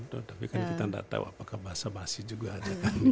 tapi kan kita gak tahu apakah bahasa bahasi juga ajakan